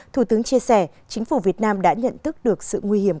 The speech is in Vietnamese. thủ tướng chia sẻ chính phủ việt nam đã nhận thức được sự nguy hiểm